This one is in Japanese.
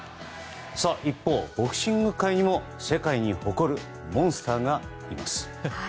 一方、ボクシング界にも世界に誇るモンスターがいます。